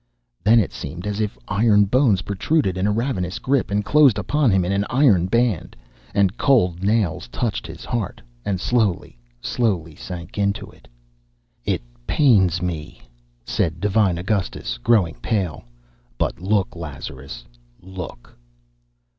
Then it seemed as if iron bones protruded in a ravenous grip, and closed upon him in an iron band; and cold nails touched his heart, and slowly, slowly sank into it. "It pains me," said divine Augustus, growing pale; "but look, Lazarus, look!"